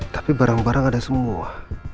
tapi barang barang ada semua